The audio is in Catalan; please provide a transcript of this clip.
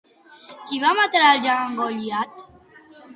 Qui va matar el gegant Goliat?